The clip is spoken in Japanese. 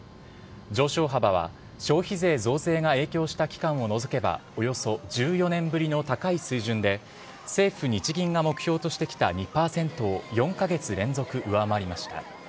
上昇幅は、消費税増税が影響した期間を除けばおよそ１４年ぶりの高い水準で政府・日銀が目標としてきた２％を４カ月連続上回りました。